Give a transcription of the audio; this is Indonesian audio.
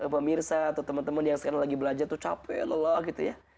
pemirsa atau teman teman yang sekarang lagi belajar tuh capek lelah gitu ya